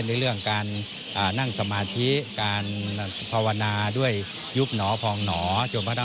ได้ในเรื่องการนั่งสมาธิการภาวนาด้วยยุบหนอเพราะไปเปล่า